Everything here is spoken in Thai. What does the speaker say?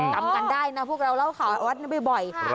จำกันได้นะพวกเราเล่าข่าววัดนี้บ่อย